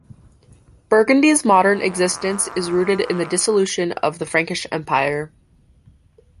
Burgundy's modern existence is rooted in the dissolution of the Frankish Empire.